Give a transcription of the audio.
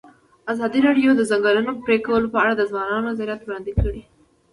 ازادي راډیو د د ځنګلونو پرېکول په اړه د ځوانانو نظریات وړاندې کړي.